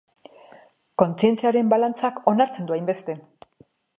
Kontzientziaren balantzak onartzen du hainbeste.